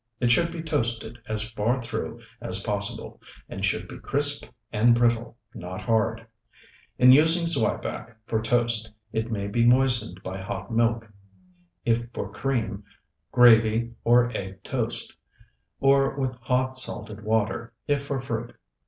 It should be toasted as far through as possible, and should be crisp and brittle, not hard. In using zwieback for toast it may be moistened by hot milk, if for cream, gravy, or egg toast; or with hot salted water, if for fruit.